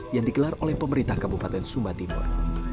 yang digelar oleh pemerintah kabupaten sumba timur